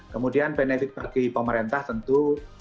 kemudian benefit bagi pemerintah tentu